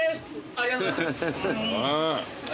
ありがとうございます。